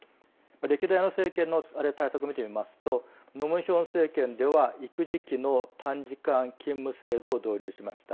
歴代の政権の対策を見てみますとノ・ムヒョン政権では育児期の短時間勤務制度を導入しました。